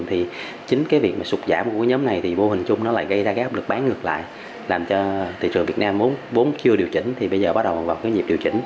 thì chính cái việc sụp giảm của nhóm này thì bô hình chung nó lại gây ra gác lực bán ngược lại làm cho thị trường việt nam vốn chưa điều chỉnh